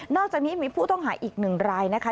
อกจากนี้มีผู้ต้องหาอีกหนึ่งรายนะคะ